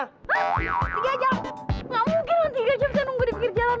hah tiga jam gak mungkin lah tiga jam saya nunggu di pikir jalan